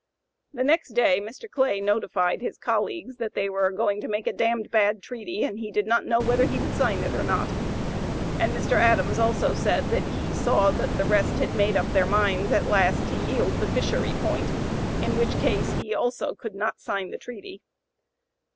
The next day Mr. Clay notified his colleagues that they were going "to make a damned bad treaty, and he did not know whether he would sign it or not;" and Mr. Adams also said that he saw that the rest had made up their minds "at last to yield the fishery point," in which case he also could not sign the treaty.